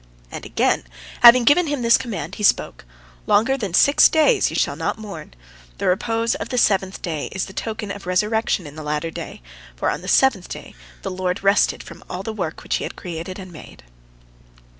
And again, having given him this command, he spoke: "Longer than six days ye shall not mourn. The repose of the seventh day is the token of the resurrection in the latter day, for on the seventh day the Lord rested from all the work which He had created and made."